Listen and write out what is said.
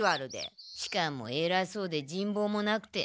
しかもえらそうで人望もなくて。